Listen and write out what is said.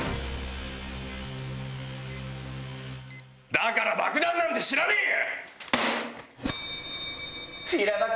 だから爆弾なんて知らねえよ！